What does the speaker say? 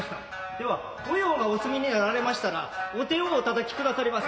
では御用がお済みになられましたらお手をお叩き下されませ。